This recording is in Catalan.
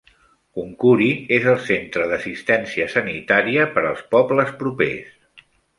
Kunkuri és el centre d'assistència sanitària per als pobles propers.